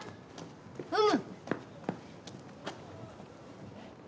うむ。